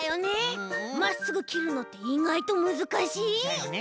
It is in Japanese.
まっすぐきるのっていがいとむずかしい！だよね！